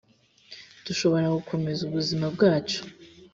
dushobora gukomeza ubuzima bwacu